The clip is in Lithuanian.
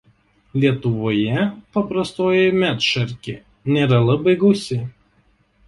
Lietuvoje paprastoji medšarkė nėra labai gausi.